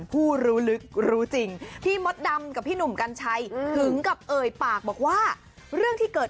เพราะกุญศือ